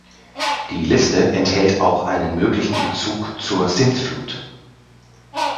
Die Liste enthält auch einen möglichen Bezug zur Sintflut.